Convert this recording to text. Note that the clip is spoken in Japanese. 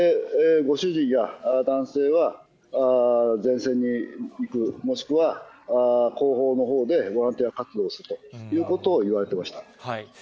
ご主人や男性は、前線に行く、もしくは、後方のほうでボランティア活動をするということを言われてました。